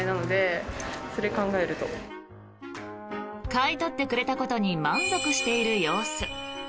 買い取ってくれたことに満足している様子。